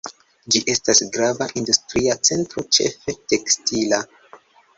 Ĝi estas grava industria centro, ĉefe tekstila.